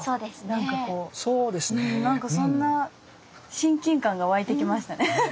何かそんな親近感が湧いてきましたね。